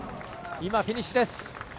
今、フィニッシュです。